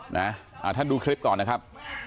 นะฮะอ่าท่านดูคลิปก่อนนะครับ